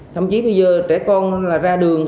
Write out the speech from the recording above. thậm chí bây giờ trẻ con ra đường